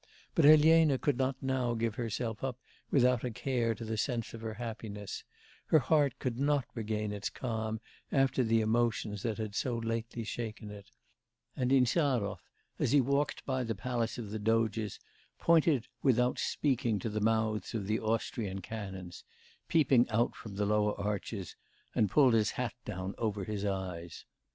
But Elena could not now give herself up without a care to the sense of her happiness; her heart could not regain its calm after the emotions that had so lately shaken it; and Insarov, as he walked by the palace of the Doges, pointed without speaking to the mouths of the Austrian cannons, peeping out from the lower arches, and pulled his hat down over his eyes.